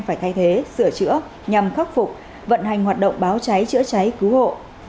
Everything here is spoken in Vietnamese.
phải thay thế sửa chữa nhằm khắc phục vận hành hoạt động báo cháy chữa cháy cứu hộ